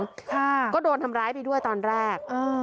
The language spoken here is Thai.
ค่ะก็โดนทำร้ายไปด้วยตอนแรกเออ